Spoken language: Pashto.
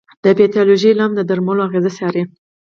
د پیتالوژي علم د درملو اغېز څاري.